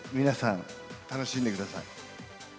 皆さん、楽しんでください。